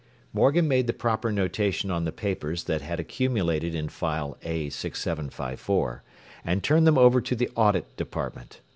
” Morgan made the proper notation on the papers that had accumulated in File A6754, and turned them over to the Audit Department.